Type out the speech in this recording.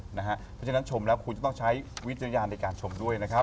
เพราะฉะนั้นเรามาชมแล้วคุณจะต้องใช้วิจัยยานด้วย